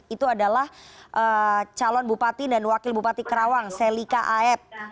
itu adalah calon bupati dan wakil bupati kerawang selika aep